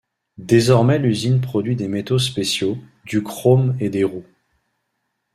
Désormais l'usine produit des métaux spéciaux, du chrome et des roues.